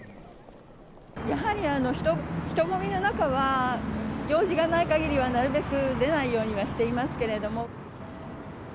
やはり人混みの中は、用事がないかぎりは、なるべく出ないようにはしていますけれども。